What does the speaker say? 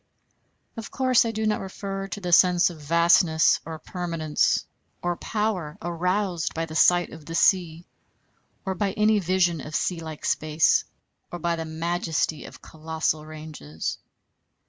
Of course I do not refer to the sense of vastness or permanence or power aroused by the sight of the sea, or by any vision of sea like space, or by the majesty of colossal ranges.